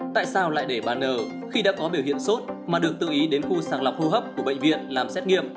tại sao lại để bà n khi đã có biểu hiện sốt mà được tự ý đến khu sàng lọc hô hấp của bệnh viện làm xét nghiệm